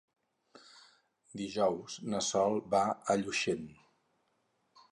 Dijous na Sol va a Llutxent.